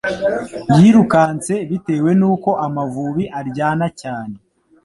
Yirukanse bitewe n'uko amavubi aryana cyane